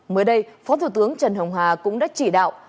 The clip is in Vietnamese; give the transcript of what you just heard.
mới đây phó thủ tướng trần hồng hà cũng đã chỉ đạo